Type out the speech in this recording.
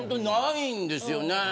ないんですよ。